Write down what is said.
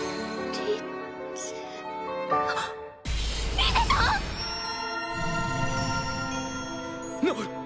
リゼたん⁉なっ！